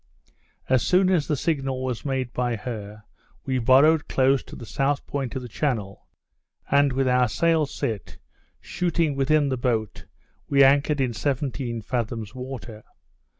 As soon as the signal was made by her, we borrowed close to the south point of the channel; and, with our sails set, shooting within the boat, we anchored in seventeen fathoms water.